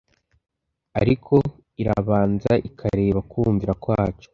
ariko irabanza ikareba kumvira kwacu.